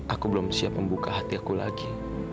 aku belum siap membuka hati aku lagi